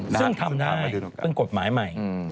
ซึ่งทำได้เป็นกฎหมายใหม่